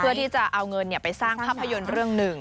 เพื่อที่จะเอาเงินไปสร้างภาพยนตร์เรื่องหนึ่ง